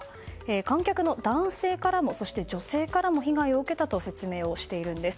観客の男性からも女性からも被害を受けたと説明をしているんです。